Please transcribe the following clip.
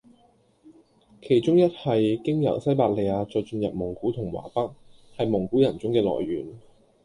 其中一系經由西伯利亞再進入蒙古同華北，係蒙古人種嘅來源